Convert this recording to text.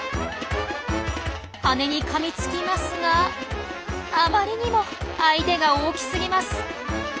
羽にかみつきますがあまりにも相手が大きすぎます。